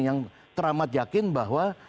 yang teramat yakin bahwa